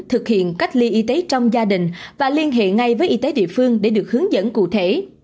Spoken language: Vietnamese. thực hiện cách ly y tế trong gia đình và liên hệ ngay với y tế địa phương để được hướng dẫn cụ thể